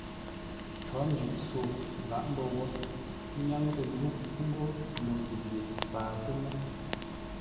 Cǒ njʉʼ-sô lǎʼ mbə́ wó ə́ nyáŋ tə́ ńzúʼ ńgó ləwʉ̂ ye paatə́ mə́.